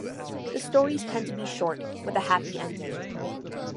The stories tend to be short, with a happy ending.